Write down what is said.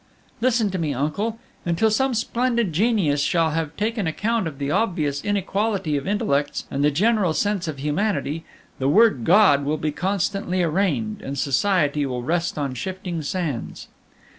"Listen to me, uncle; until some splendid genius shall have taken account of the obvious inequality of intellects and the general sense of humanity, the word God will be constantly arraigned, and Society will rest on shifting sands.